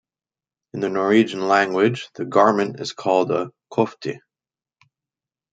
In the Norwegian language the garment is called a 'kofte'.